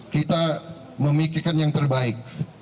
kita memikirkan yang terbaik